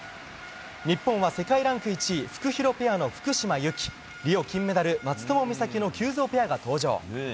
日本は世界ランク１位フクヒロペアの福島由紀リオ金メダル松友美佐紀の急造ペアが登場。